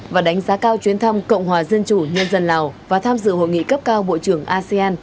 và đánh giá cao chuyến thăm cộng hòa dân chủ nhân dân lào và tham dự hội nghị cấp cao bộ trưởng asean